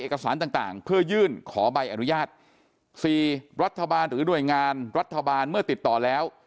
เอกสารต่างต่างเพื่อยื่นขอใบอนุญาตสี่รัฐบาลหรือหน่วยงานรัฐบาลเมื่อติดต่อแล้ว